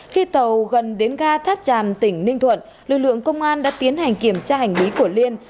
khi tàu gần đến ga tháp tràm tỉnh ninh thuận lực lượng công an đã tiến hành kiểm tra hành lý của liên